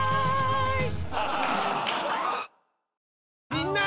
みんな！